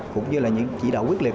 cũng như là những chỉ đạo quyết liệt